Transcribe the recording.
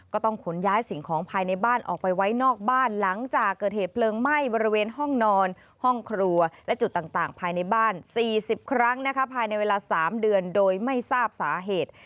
ก็ต้องขนย้ายสิ่งของภายในบ้านออกไปไว้นอกบ้านหลังจากเกิดเหตุเพลิงไหม้บริเวณห้องนอนห้องครัวและจุดต่างภายในบ้าน๔๐ครั้งภายในเวลา๓เดือนโดยไม่ทราบสาเหตุ